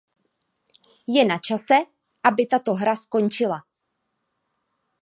Je načase, aby tato hra skončila.